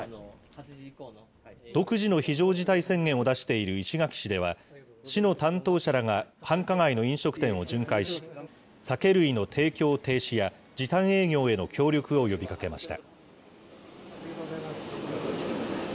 独自の非常事態宣言を出している石垣市では、市の担当者らが、繁華街の飲食店を巡回し、酒類の提供停止や、時短営業への協力を呼びかけました。